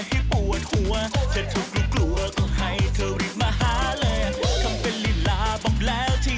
หมดอะไรก็ในคูล่าร์ในคูล่าร์ไง